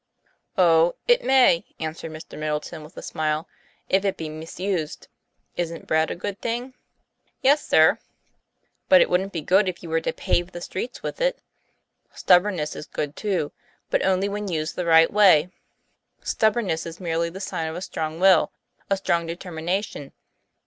"Oh, it may," answered Mr. Middleton with a smile, " if it be misused. Isn't bread a good thing ?" "Yes, sir." " But it wouldn't be good if you were to pave the streets with it. Stubbornness is good too, but only when used the right way. Stubbornness is merely the sign of a strong will a strong determination.